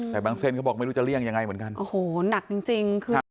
แต่บางเส้นเขาบอกไม่รู้จะเลี่ยงยังไงเหมือนกันโอ้โหหนักจริงจริงคือ